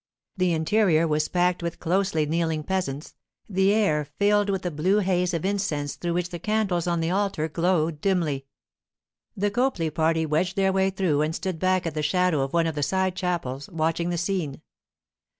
The interior was packed with closely kneeling peasants, the air filled with a blue haze of incense through which the candles on the altar glowed dimly. The Copley party wedged their way through and stood back at the shadow of one of the side chapels, watching the scene.